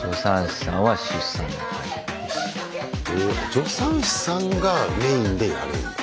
助産師さんがメインでやるんだ。